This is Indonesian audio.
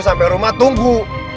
sampai rumah tunggu